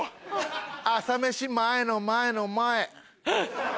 朝飯前の前の前。